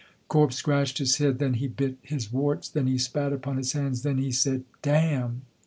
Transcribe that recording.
Corp scratched his head, then he bit his warts, then he spat upon his hands, then he said "Damn."